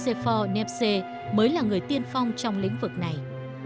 sông nicephore netsche mới là người tiên phong trong lĩnh vực này